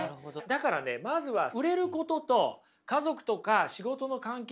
だからねまずは売れることと家族とか仕事の関係とか社会の関係